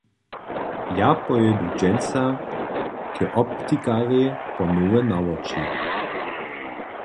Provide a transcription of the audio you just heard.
Ja pojědu dźensa k optikarjej po nowe nawoči.